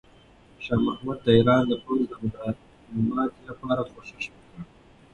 شاه محمود د ایران د پوځ د ماتې لپاره کوښښ وکړ.